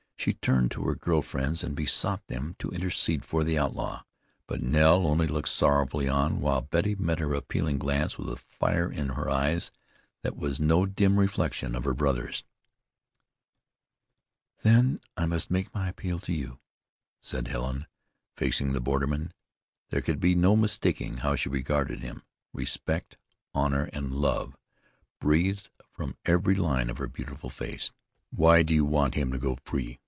She turned to her girl friends and besought them to intercede for the outlaw. But Nell only looked sorrowfully on, while Betty met her appealing glance with a fire in her eyes that was no dim reflection of her brother's. "Then I must make my appeal to you," said Helen, facing the borderman. There could be no mistaking how she regarded him. Respect, honor and love breathed from every line of her beautiful face. "Why do you want him to go free?"